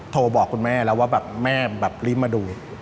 โทรบอกคุณแม่แล้วว่าแม่รีบมาดู